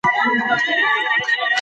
هغه پدیده چې ټولنیز وي اغېز لري.